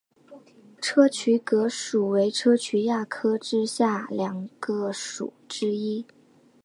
砗磲蛤属为砗磲亚科之下两个属之一。